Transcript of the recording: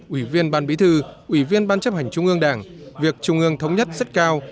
ủy viên ban bí thư ủy viên ban chấp hành trung ương đảng việc trung ương thống nhất rất cao